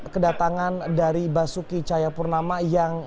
kedatangan dari basuki cahayapurnama yang